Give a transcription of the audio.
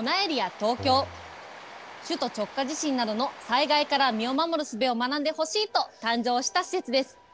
首都直下地震などの災害から身を守るすべを学んでほしいと、誕生した施設です。